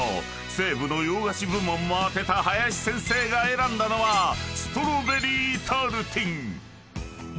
［西武の洋菓子部門も当てた林先生が選んだのはストロベリータルティン］